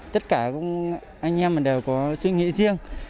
tất cả anh em đều có suy nghĩ riêng